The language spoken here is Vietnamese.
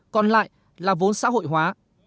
còn lại là vốn xã hội hóa